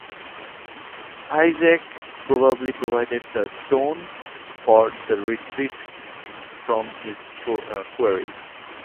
Isaac probably provided the stone for "The Retreat" from his quarry.